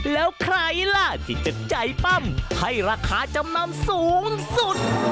แล้วใครล่ะที่จะใจปั้มให้ราคาจำนำสูงสุด